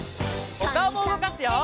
おかおもうごかすよ！